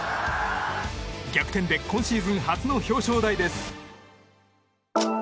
逆転で今シーズン初の表彰台です。